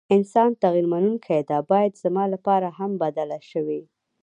انسان تغير منونکي ده ، بايد زما لپاره هم بدله شوې ،